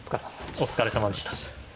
お疲れさまでした。